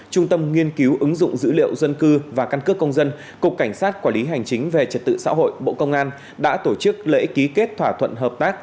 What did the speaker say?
công dân cục cảnh sát quản lý hành chính về trật tự xã hội bộ công an đã tổ chức lễ ký kết thỏa thuận hợp tác